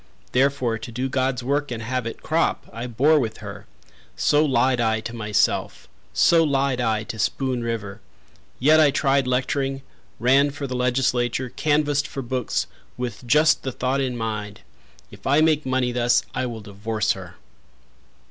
Therefore to do God's work and have it crop, I bore with her So lied I to myself So lied I to Spoon River! Yet I tried lecturing, ran for the legislature, Canvassed for books, with just the thought in mind: If I make money thus, I will divorce her.